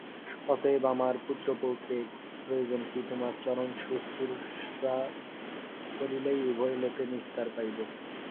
অতএব আমার পুত্র পৌত্রে প্রয়োজন কি তোমার চরণশুশ্রূষা করিলেই উভয় লোকে নিস্তার পাইব।